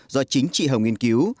do chính chị hồng nghiên cứu